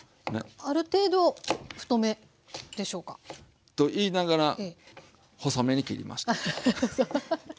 ある程度太めでしょうか？と言いながら細めに切りました。